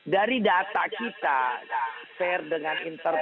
dari data kita fair dengan interpre